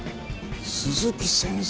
鈴木先生！